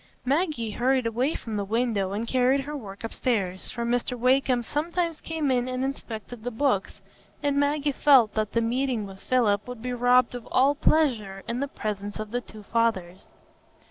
Maggie hurried away from the window and carried her work upstairs; for Mr Wakem sometimes came in and inspected the books, and Maggie felt that the meeting with Philip would be robbed of all pleasure in the presence of the two fathers.